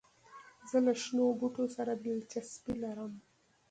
زه له شنو بوټو سره دلچسپي لرم.